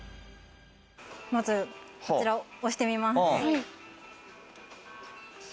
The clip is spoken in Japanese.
まず、こちらを押してみます。